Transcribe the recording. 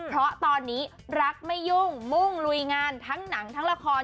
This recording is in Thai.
เพราะตอนนี้รักไม่ยุ่งมุ่งลุยงานทั้งหนังทั้งละคร